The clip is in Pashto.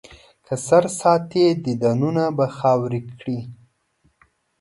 که سر ساتې، دیدنونه به خاورې کړي.